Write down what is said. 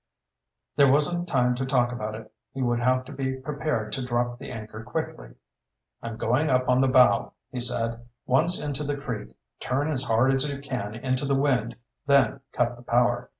There wasn't time to talk about it. He would have to be prepared to drop the anchor quickly. "I'm going up on the bow," he said. "Once into the creek, turn as hard as you can into the wind, then cut the power.